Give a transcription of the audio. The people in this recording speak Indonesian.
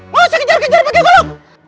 mau saya kejar kejar pake golo